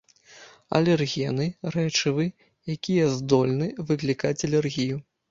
Алергены, рэчывы, якія здольны выклікаць алергію.